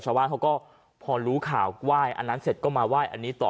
ชาวบ้านเขาก็พอรู้ข่าวไหว้อันนั้นเสร็จก็มาไหว้อันนี้ต่อ